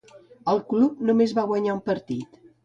El club només va guanyar un partit.